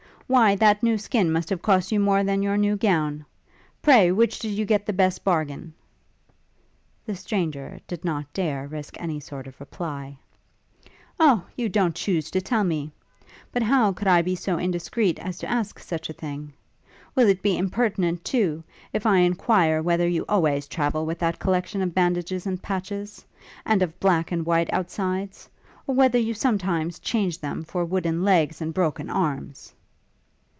Why that new skin must have cost you more than your new gown. Pray which did you get the best bargain?' The stranger did not dare risk any sort of reply. 'O, you don't chuse to tell me? But how could I be so indiscreet as to ask such a thing? Will it be impertinent, too, if I enquire whether you always travel with that collection of bandages and patches? and of black and white outsides? or whether you sometimes change them for wooden legs and broken arms?'